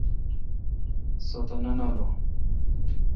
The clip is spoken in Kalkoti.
سو تہ نہ نالوں۔